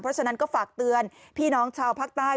เพราะฉะนั้นก็ฝากเตือนพี่น้องชาวภาคใต้